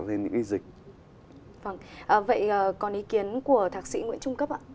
vậy còn ý kiến của thạc sĩ nguyễn trung cấp ạ